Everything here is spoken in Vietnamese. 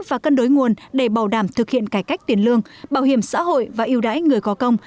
và cân đối nguồn để bảo đảm thực hiện cải cách tiền lương bảo hiểm xã hội và yêu đáy người có công